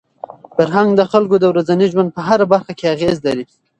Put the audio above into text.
فرهنګ د خلکو د ورځني ژوند په هره برخه کي اغېز لري.